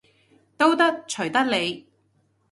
都得，隨得你